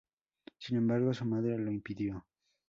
Sin embargo, su madre lo impidió.